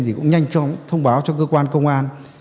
thì cũng nhanh chóng thông báo cho cơ quan công an